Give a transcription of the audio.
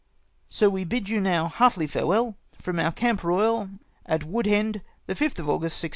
" So we bid you now heartily farewell, from our Camp Koyal at Woodhend, the fifth of August, 1651.